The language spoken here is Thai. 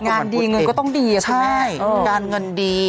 งานดีเงินก็ต้องดีใช่การเงินดี